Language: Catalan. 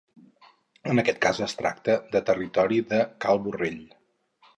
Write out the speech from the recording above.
En aquest cas es tracta de territori de Cal Borrell.